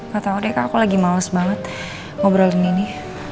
gak tau deh kak aku lagi males banget ngobrolin ini